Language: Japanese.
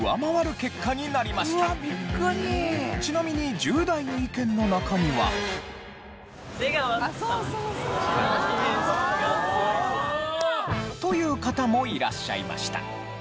ちなみに１０代の意見の中には。という方もいらっしゃいました。